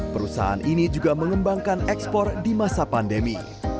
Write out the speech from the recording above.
perusahaan ini juga mengembangkan ekspor di masa pandemi